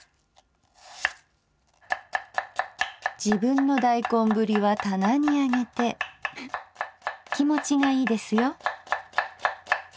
「自分の大根ぶりはたなにあげて気持ちがいいですよ」。